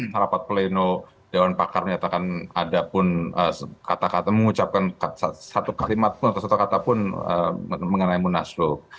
rapat pleno dewan pakar menyatakan ada pun kata kata mengucapkan satu kalimat pun atau satu kata pun mengenai munaslub